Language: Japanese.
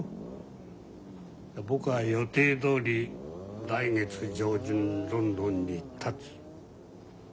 僕は予定どおり来月上旬ロンドンにたつ。